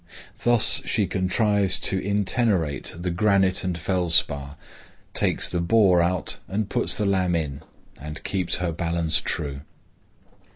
Thus she contrives to intenerate the granite and felspar, takes the boar out and puts the lamb in and keeps her balance true.